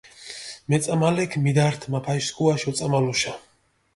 მეწამალექ მიდართ მაფაში სქუაში ოწამალუშა.